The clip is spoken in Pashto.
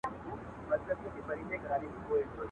د لنډیو ږغ به پورته د باغوان سي.